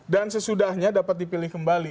dan sesudahnya dapat dipilih kembali